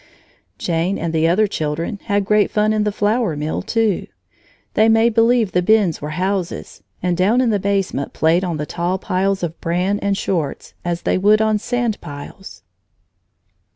Jane and the other children had great fun in the flour mill, too. They made believe the bins were houses, and down in the basement played on the tall piles of bran and shorts as they would on sand piles.